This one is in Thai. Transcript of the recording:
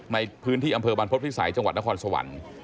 ในพื้นที่อำเภอบรรพฤษภิษัยจังหวัดนครสวรรค์